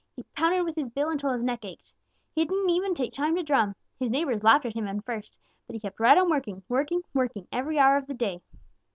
He pounded with his bill until his neck ached. He didn't even take time to drum. His neighbors laughed at him at first, but he kept right on working, working, working every hour of the day.